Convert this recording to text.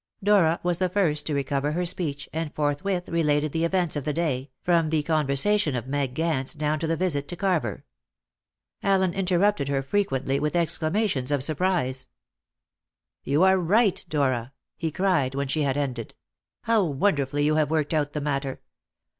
Dora was the first to recover her speech, and forthwith related the events of the day, from the conversation of Meg Gance down to the visit to Carver. Allen interrupted her frequently with exclamations of surprise. "You are right, Dora!" he cried when she had ended. "How wonderfully you have worked out the matter!